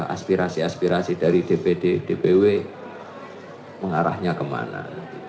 aspirasi aspirasi dari dpd dpw mengarahnya kemana